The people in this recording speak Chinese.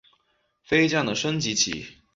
飞将的升级棋。